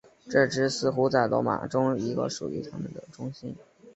这支似乎在罗马有一个属于他们的中心。